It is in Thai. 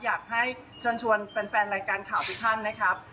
อยากให้เชิญชวนแฟนรายการข่าวทุกท่านนะครับ